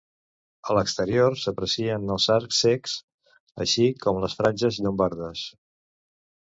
A l'exterior s'aprecien els arcs cecs, així com les franges llombardes.